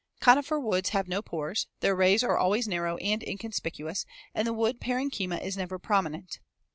Coniferous woods have no pores, their rays are always narrow and inconspicuous, and wood parenchyma is never prominent.